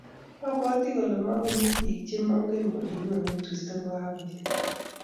Abwate kole makomii biik che mangen kole nyone kristo kokakoit